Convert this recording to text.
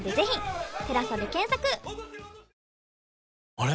あれ？